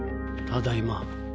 ただいま。